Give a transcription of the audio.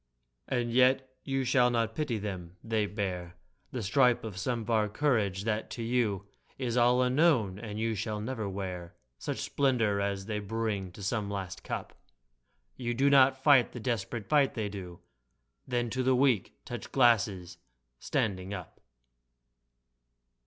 And yet you shall not pity them ! They bear The stripe of some far courage that to you Is all unknown — and you shall never wear Such splendor as they bring to some last eup ; You do not fight the desperate fight they do ; Then — ^to the Weak ! Touch glasses ! standing up